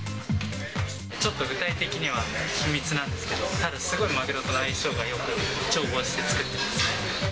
ちょっと具体的には秘密なんですけど、ただ、すごいマグロと相性がよく調合して作ってます。